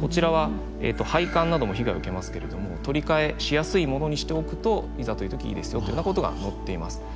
こちらは配管なども被害を受けますけれども取り替えしやすいものにしておくといざという時いいですよというようなことが載っています。